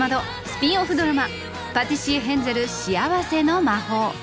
スピンオフドラマ「パティシエ・ヘンゼルしあわせの魔法」。